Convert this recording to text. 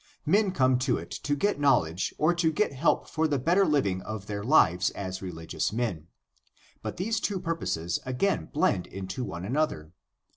Men come to it to get knowledge or to get help for the better living of their lives as religious men. But these two purposes again blend into one another.